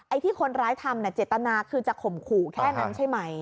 ไอ้ที่คนร้ายธรรมเนี่ยเจตนาคือจะข่มขู่แค่นั้นใช่ไหม